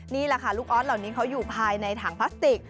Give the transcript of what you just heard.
นี่แหละค่ะลูกออสเหล่านี้เขาอยู่ภายในถังพลาสติก